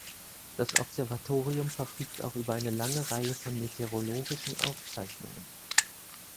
Das Observatorium verfügt auch über eine lange Reihe von meteorologischen Aufzeichnungen.